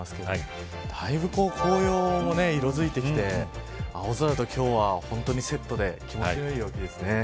だいぶ紅葉も色づいてきて青空とセットで、今日は本当に気持ちのよい陽気ですね。